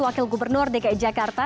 wakil gubernur dki jakarta